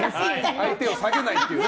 相手を下げないというね。